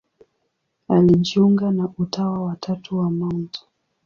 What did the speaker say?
Alijiunga na Utawa wa Tatu wa Mt.